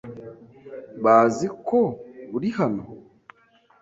Bazi ko uri hano?